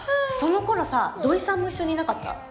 その頃さ土井さんも一緒にいなかった？